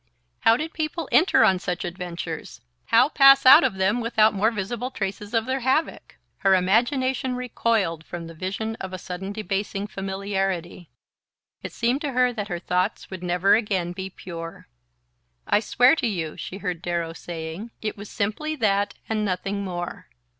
How did people enter on such adventures, how pass out of them without more visible traces of their havoc? Her imagination recoiled from the vision of a sudden debasing familiarity: it seemed to her that her thoughts would never again be pure... "I swear to you," she heard Darrow saying, "it was simply that, and nothing more."